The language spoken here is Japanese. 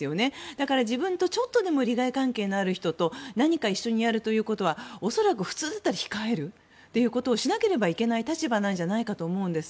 だから、自分とちょっとでも利害関係のある人と何か一緒にやるということは恐らく普通だったら控えることをしなければいけない立場なんじゃないかと思うんです。